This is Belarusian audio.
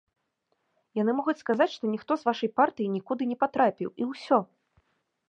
Яны могуць сказаць, што ніхто з вашай партыі нікуды не патрапіў і ўсё!